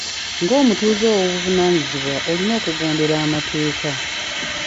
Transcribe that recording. Nga omutuuze ow'obuvunaanyizibwa olina okugondera amateeka.